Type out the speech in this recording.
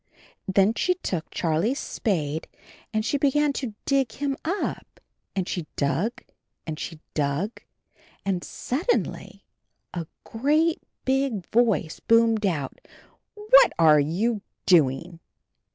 Then she took Charlie's spade and she be gan to dig him up. And she dug and she dug and — suddenly a great big voice boomed out, "What are you doing?"